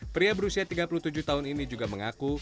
pria berusia tiga puluh tujuh tahun ini juga mengaku